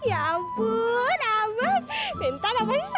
ya ampun nanti namanya satu